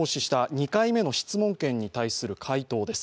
２回目の質問権に対する回答です。